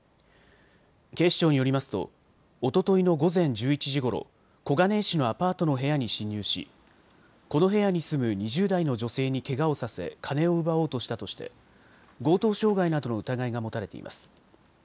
警視庁によりますとおとといの午前１１時ごろ小金井市のアパートの部屋に侵入し、この部屋に住む２０代の女性にけがをさせ金を奪おうとしたとして強盗傷害などの疑いが持たれています。